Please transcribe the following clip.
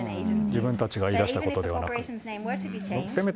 自分たちが言い出したことではなく。